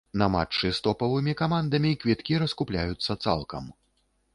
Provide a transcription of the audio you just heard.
На матчы з топавымі камандамі квіткі раскупляюцца цалкам.